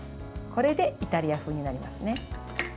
これでイタリア風になりますね。